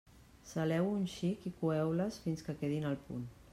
Saleu-ho un xic i coeu-les fins que quedin al punt.